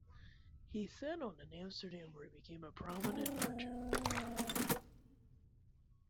He settled in Amsterdam, where he became a prominent merchant.